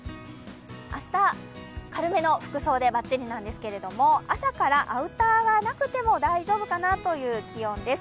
明日、軽めの服装でバッチリなんですけれども朝からアウターがなくても大丈夫かなという気温です。